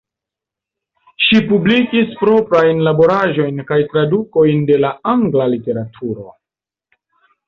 Ŝi publikis proprajn laboraĵojn kaj tradukojn de la angla literaturo.